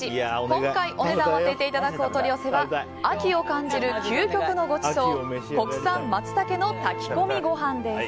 今回、お値段を当てていただくお取り寄せは秋を感じる究極のごちそう国産松茸ごはんです。